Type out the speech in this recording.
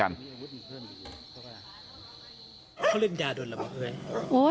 เขาเล่นยาดนแล้วบอกเลย